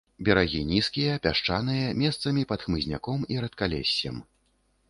Берагі нізкія, пясчаныя, месцамі пад хмызняком і рэдкалессем.